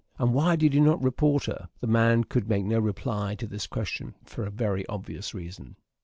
"And why did you not report her?" The man could make no reply to this question, for a very obvious reason.